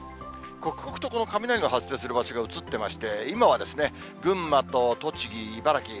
刻々とこの雷の発生する場所が移ってまして、今はですね、群馬と栃木、茨城。